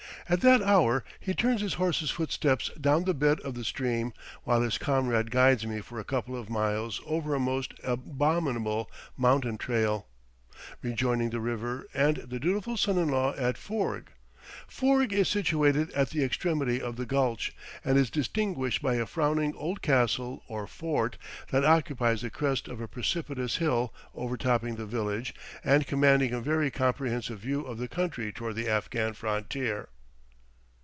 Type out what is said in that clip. At that hour he turns his horse's footsteps down the bed of the stream, while his comrade guides me for a couple of miles over a most abominable mountain trail, rejoining the river and the dutiful son in law at Foorg. Foorg is situated at the extremity of the gulch, and is distinguished by a frowning old castle or fort, that occupies the crest of a precipitous hill overtopping the village and commanding a very comprehensive view of the country toward the Afghan frontier.